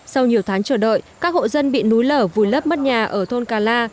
sau nhiều tháng chờ đợi các hộ dân bị núi lở vùi lấp mất nhà ở thôn cà la